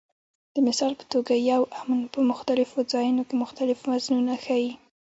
د مثال په توګه یو "امن" په مختلفو ځایونو کې مختلف وزنونه ښيي.